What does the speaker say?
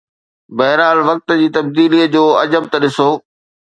بهرحال وقت جي تبديليءَ جو عجب ته ڏسو.